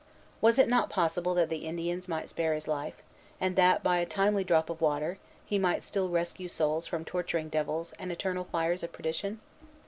Was it not possible that the Indians might spare his life, and that, by a timely drop of water, he might still rescue souls from torturing devils, and eternal fires of perdition?